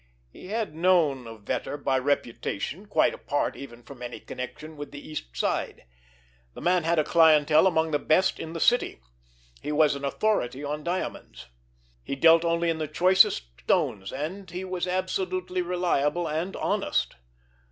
He had known of Vetter by reputation, quite apart even from any connection with the East Side. The man had a clientele among the best in the city. He was an authority on diamonds. He dealt only in the choicest stones, and he was absolutely reliable and honest.